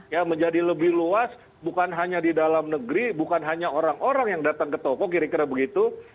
ya menjadi lebih luas bukan hanya di dalam negeri bukan hanya orang orang yang datang ke toko kira kira begitu